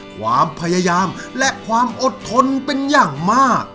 ความพยายามและความอดทนเป็นอย่างมาก